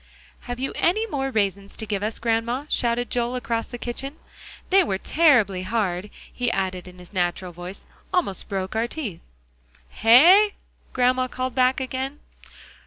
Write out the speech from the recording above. "Have you any more raisins to give us, Grandma?" shouted Joel across the kitchen. "They were terribly hard," he added in his natural voice; "almost broke our teeth." "Hey?" called Grandma back again.